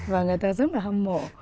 và người ta rất là hâm mộ